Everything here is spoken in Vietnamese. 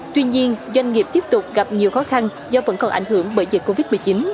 tuy nhiên doanh nghiệp tiếp tục gặp nhiều khó khăn do vẫn còn ảnh hưởng bởi dịch covid một mươi chín